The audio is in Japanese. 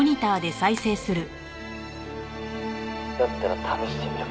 「だったら試してみるか」